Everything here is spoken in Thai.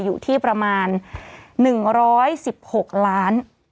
อยู่ที่ประมาณ๑๑๖ล้าน